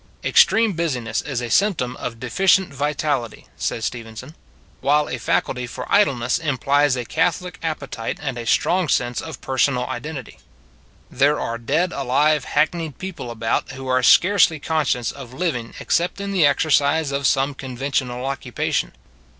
Extreme busyness is a symptom of deficient vi tality [says Stevenson] ; while a faculty for idle ness implies a catholic appetite and a strong sense of personal identity. There are dead alive, hack neyed people about, who are scarcely conscious of living except in the exercise of some conventional occupation.